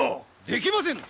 できませぬ！